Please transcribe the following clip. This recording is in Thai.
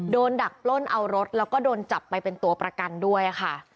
ดักปล้นเอารถแล้วก็โดนจับไปเป็นตัวประกันด้วยค่ะ